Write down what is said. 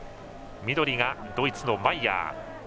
緑がドイツのマイヤー。